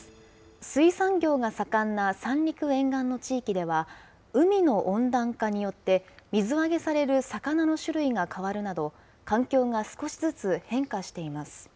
水産業が盛んな三陸沿岸の地域では、海の温暖化によって、水揚げされる魚の種類が変わるなど、環境が少しずつ変化しています。